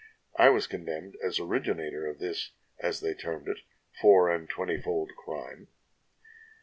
I was condemned as orig inator of this (as they termed it) four and twenty fold crime.